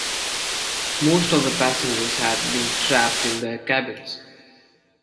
Most of the passengers had been trapped in their cabins.